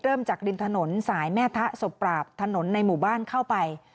เริ่มจากริมถนนสายแม่ทะศพปราบถนนในหมู่บ้านเข้าไป